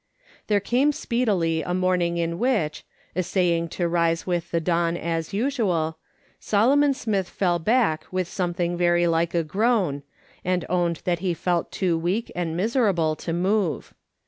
There came speedily a morning in which, essaying to rise with the dawn, as usual, Solomon Smith fell back with something very like a groan, and owned that he felt too weak and miser able to move.